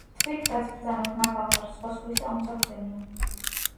თვით რაცა ბრძანოთ, მართალ ხარ, სხვა სხვისა ომსა ბრძენია